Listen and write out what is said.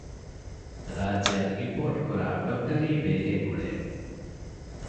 ރާއްޖެއަށް އިމްޕޯޓްކުރާ ޑޮކްޓަރީ ބޭހޭގުޅޭ